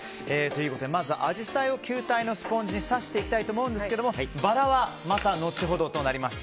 まずアジサイを球体のスポンジに挿していきたいと思うんですがバラはまた後ほどとなります。